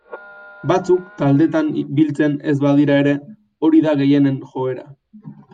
Batzuk taldetan biltzen ez badira ere, hori da gehienen joera.